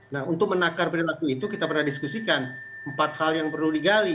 nah untuk menakar perilaku itu kita pernah diskusikan empat hal yang perlu digali